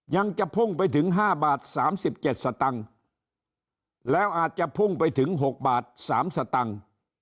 ยังจะพุ่งไปถึง๕บาท๓๗สตังค์แล้วอาจจะพุ่งไปถึง๖บาท๓สตังค์